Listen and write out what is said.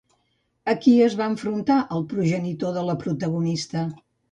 A qui es va enfrontar el progenitor de la protagonista?